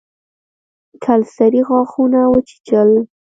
کلسري غاښونه وچيچل.